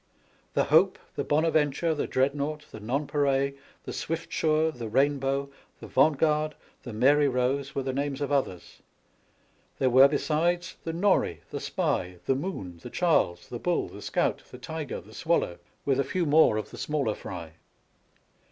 The Hope, the Bonaventure, the Dreadnaught, SPANISH ARMADA, 209 the NonpareiUe, the Swiftsure, the Rainbow y the Vaunt guardy the Mary Rose were the names of others. There were hesides the Norify the Spy, the Moon, the Charles, the BitZZ, the ^Scowf, the Tyger, the Swallow, with a few more of the smaller fry.